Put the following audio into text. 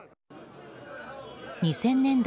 ２０００年代